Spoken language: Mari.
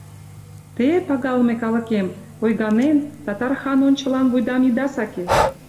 Те, пагалыме калыкем, ойганен, татар хан ончылан вуйдам ида саке.